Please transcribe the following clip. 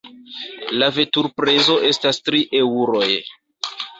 La veturprezo estas tri eŭroj.